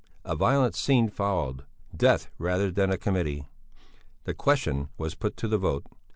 A violent scene followed. Death rather than a committee! The question was put to the vote.